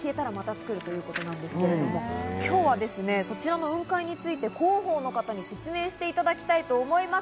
１２分したら消えてしまうので、消えたらまた作るということですけど、今日はそちらの雲海について広報の方に説明していただきたいと思います。